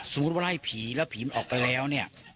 ว่าไล่ผีแล้วผีมันออกไปแล้วเนี่ย